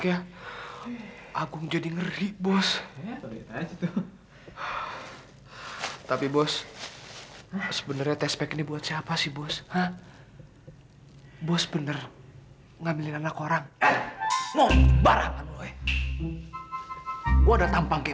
iya aku ngerti kok raka